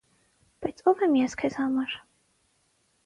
- Բայց ո՞վ եմ ես քեզ համար: